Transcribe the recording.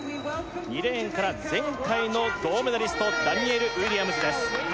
２レーンから前回の銅メダリストダニエル・ウィリアムズです